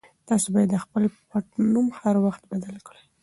تاسي باید خپل پټنوم هر وخت بدل کړئ.